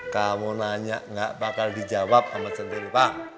kamu nanya gak bakal dijawab sama centini pak